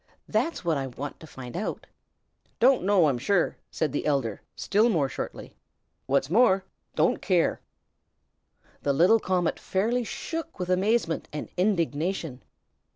That's what I want to find out." "Don't know, I'm sure!" said the elder, still more shortly. "What's more, don't care!" The little comet fairly shook with amazement and indignation.